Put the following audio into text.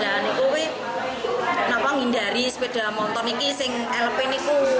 dan itu kenapa menghindari sepeda motor ini yang lp ini